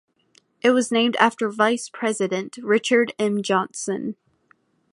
It was named after Vice President Richard M. Johnson.